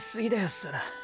そら。